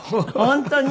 本当に？